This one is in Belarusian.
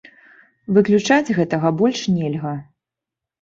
Выключаць гэтага больш нельга.